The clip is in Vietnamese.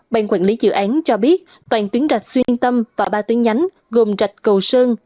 ban quản lý dự án cho biết toàn tuyến rạch xuyên tâm và ba tuyến nhánh gồm rạch cầu sơn